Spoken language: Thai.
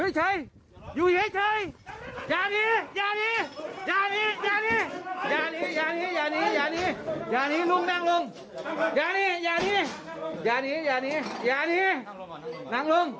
ครับ